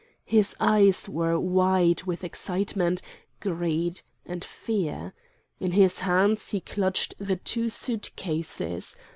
His eyes were wide with excitement, greed, and fear. In his hands he clutched the two suit cases.